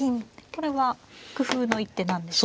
これは工夫の一手なんですか。